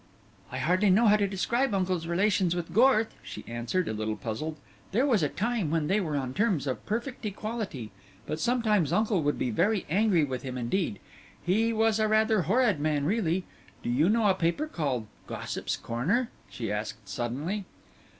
"I hardly know how to describe uncle's relations with Gorth," she answered, a little puzzled. "There was a time when they were on terms of perfect equality, but sometimes uncle would be very angry with him indeed. He was rather a horrid man really. Do you know a paper called Gossip's Corner?" she asked suddenly.